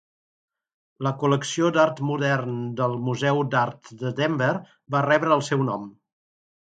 La col·lecció d'art modern del Museu d'Art de Denver va rebre el seu nom.